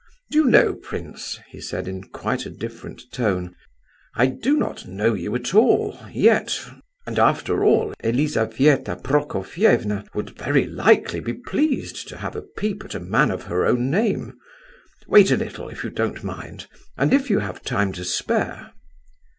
"Do you know, prince," he said, in quite a different tone, "I do not know you at all, yet, and after all, Elizabetha Prokofievna would very likely be pleased to have a peep at a man of her own name. Wait a little, if you don't mind, and if you have time to spare?"